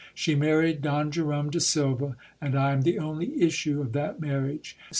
She married Don Jerome de Silva, and I am the only issue of that marriage.